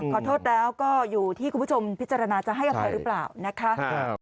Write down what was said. ขอโทษแล้วก็อยู่ที่คุณผู้ชมพิจารณาจะให้อภัยหรือเปล่านะคะ